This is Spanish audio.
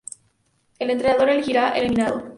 El entrenador elegirá el eliminado.